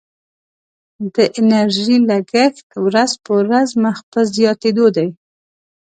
د انرژي لګښت ورځ په ورځ مخ په زیاتیدو دی.